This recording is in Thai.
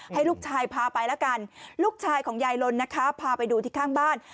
ให้ลูกชายพาไปแล้วกันลูกชายของยายลนนะคะพาไปดูที่ข้างบ้าน